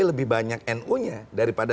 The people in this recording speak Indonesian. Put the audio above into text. lebih banyak nu nya daripada